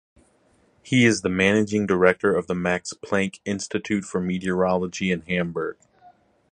He is the managing director of the Max Planck Institute for Meteorology in Hamburg.